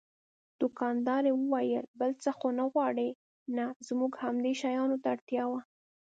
دوکاندارې وویل: بل څه خو نه غواړئ؟ نه، زموږ همدې شیانو ته اړتیا وه.